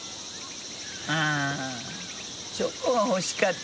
ああチョコが欲しかったのに。